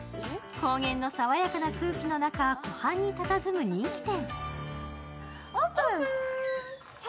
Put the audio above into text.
高原の爽やかな空気の中、湖畔にたたずむ人気店。